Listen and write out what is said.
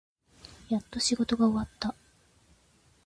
やっと仕事が終わった。